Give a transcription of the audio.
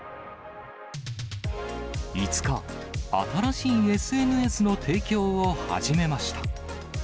５日、新しいＳＮＳの提供を始めました。